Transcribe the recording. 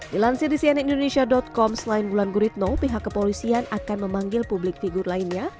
dilansir di cnindonesia com selain wulan gurito pihak kepolisian akan memanggil publik figur lainnya